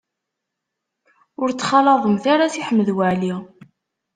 Ur ttxalaḍemt ara Si Ḥmed Waɛli.